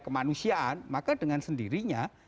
kemanusiaan maka dengan sendirinya